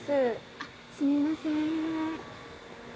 あっすみません。